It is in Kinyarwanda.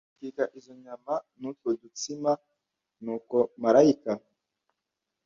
utwika izo nyama n utwo dutsima Nuko marayika